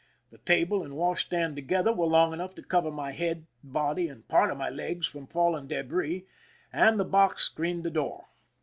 The table and wash stand together were long enough to cover my head, body, and part of my legs from falling debris, and the box 193 THE SINKING OF THE "MERRIMAC" screened the door.